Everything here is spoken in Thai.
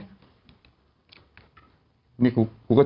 นี่กูกูก็โชว์จังเลยไอ้ผลเลือดกูเนี่ย